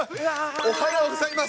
おはようございます。